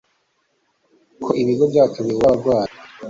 ko ibigo byacu bibura abarwayi